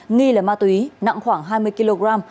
nghi là ma túy nặng khoảng hai mươi kg